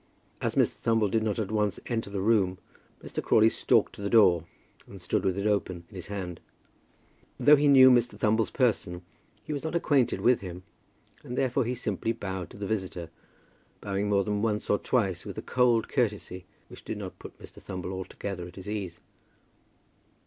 As Mr. Thumble did not at once enter the room, Mr. Crawley stalked to the door, and stood with it open in his hand. Though he knew Mr. Thumble's person, he was not acquainted with him, and therefore he simply bowed to the visitor, bowing more than once or twice with a cold courtesy, which did not put Mr. Thumble altogether at his ease.